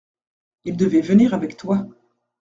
Il devait venir avec toi.